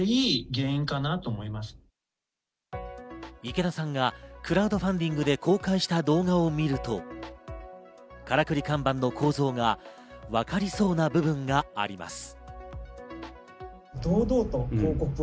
池田さんがクラウドファンディングで公開した動画を見ると、からくり看板の構造がわかりそうな部分があります。